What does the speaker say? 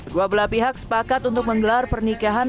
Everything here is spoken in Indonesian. dua belah pihak sepakat untuk menggelar pernikahan